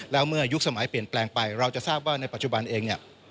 แล้วเมื่อยุคสมัยเปลี่ยนแปลงไปเราจะทราบว่าในปัจจุบันเองเนี่ย